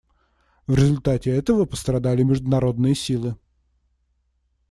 В результате этого пострадали международные силы.